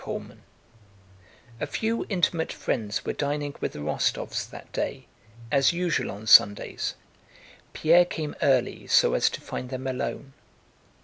CHAPTER XX A few intimate friends were dining with the Rostóvs that day, as usual on Sundays. Pierre came early so as to find them alone.